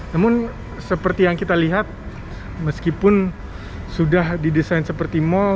namun seperti yang kita lihat meskipun sudah didesain seperti mal